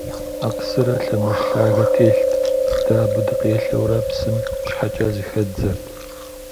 Акъсырэ лъэмыж лъагэ телът, дэ абы дыкъелъэурэ псым щхьэкӏэ зыхэддзэрт.